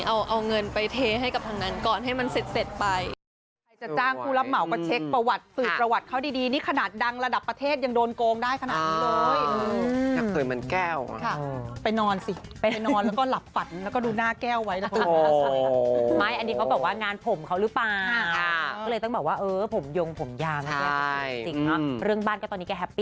เอาเงินไปเทให้กับทางนั้นก่อนให้มันเสร็จไป